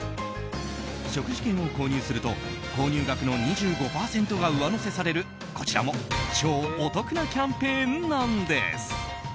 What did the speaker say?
食事券を購入すると購入額の２５％が上乗せされるこちらも超お得なキャンペーンなんです。